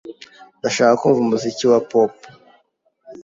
Ndashaka kumva umuziki wa pop.